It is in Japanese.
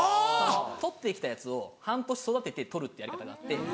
捕って来たやつを半年育てて捕るってやり方があって。